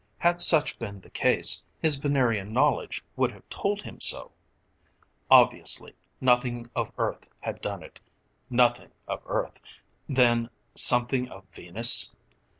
Had such been the case, his Venerian knowledge would have told him so. Obviously, nothing of Earth had done it, nothing of Earth then something of Venus!